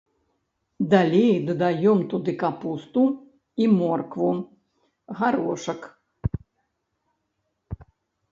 Далей дадаём туды капусту і моркву, гарошак.